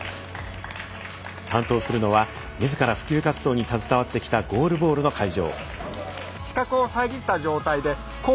担当するのは、みずから普及活動に携わってきたゴールボールの会場。